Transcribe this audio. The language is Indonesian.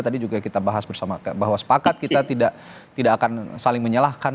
tadi juga kita bahas bersama bahwa sepakat kita tidak akan saling menyalahkan